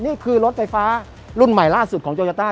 นี่คือรถไฟฟ้ารุ่นใหม่ล่าสุดของโยต้า